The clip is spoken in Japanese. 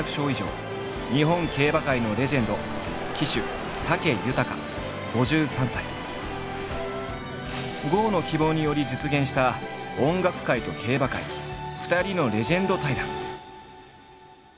日本競馬界のレジェンド郷の希望により実現した音楽界と競馬界２人のレジェンド対談。